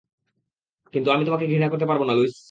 কিন্তু আমি তোমাকে ঘৃণা করতে পারবনা, লুইস।